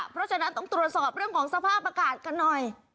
เพราะฉะนั้นต้องตรวจสอบเรื่องของสภาพอากาศกันหน่อย